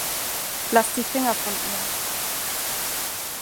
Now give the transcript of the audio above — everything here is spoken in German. Lass die Finger von ihr!